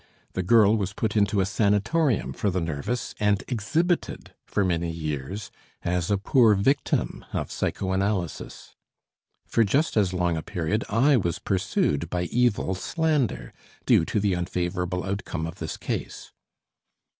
The girl was put into a sanatorium for the nervous and exhibited for many years as "a poor victim of psychoanalysis." For just as long a period I was pursued by evil slander, due to the unfavorable outcome of this case.